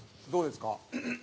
どうですか？